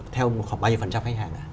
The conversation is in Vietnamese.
theo khoảng bao nhiêu phần trăm khách hàng